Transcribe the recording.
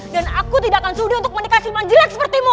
dan aku tidak akan sudi untuk menikah silman jelek sepertimu